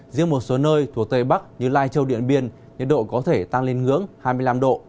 riêng một số nơi thuộc tây bắc như lai châu điện biên nhiệt độ có thể tăng lên ngưỡng hai mươi năm độ